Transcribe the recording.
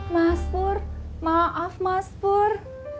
mas pur maaf mas pur